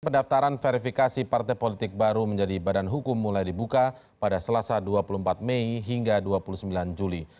pendaftaran verifikasi partai politik baru menjadi badan hukum mulai dibuka pada selasa dua puluh empat mei hingga dua puluh sembilan juli